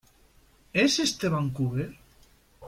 Es este Vancouver?